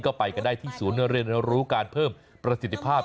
ก็ไปกันได้ที่ศูนย์เรียนรู้การเพิ่มประสิทธิภาพ